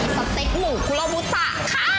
สเต็กหมูคุโลบุตะค่ะ